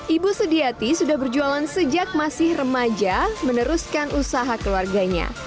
ibu sediati sudah berjualan sejak masih remaja meneruskan usaha keluarganya